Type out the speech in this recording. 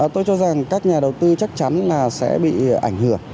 tôi cho rằng các nhà đầu tư chắc chắn là sẽ bị ảnh hưởng